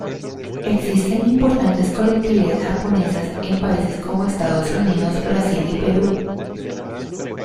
Existen importantes colectividades japonesas en países cómo Estados Unidos, Brasil y Perú.